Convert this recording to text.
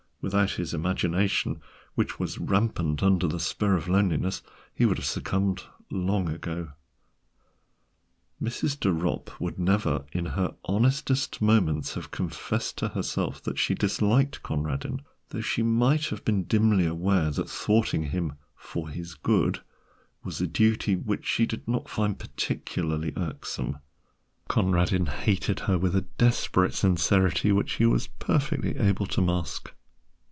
Without his imagination, which was rampant under the spur of loneliness, he would have succumbed long ago. Mrs. de Ropp would never, in her honestest moments, have confessed to herself that she disliked Conradin, though she might have been dimly aware that thwarting him "for his good" was a duty which she did not find particularly irksome. Conradin hated her with a desperate sincerity which he was perfectly able to mask.